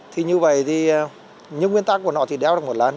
thì như vậy thì những nguyên tắc của nó thì đeo được một lần